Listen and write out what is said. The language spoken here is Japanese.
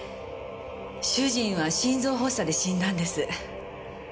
主人は心臓発作で死んだんです。